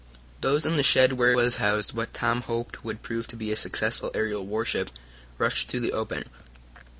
Those in the shed where was housed what Tom hoped would prove to be a successful aerial warship rushed to the open.